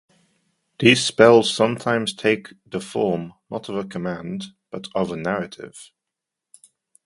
These spells sometimes take the form, not of a command, but of a narrative.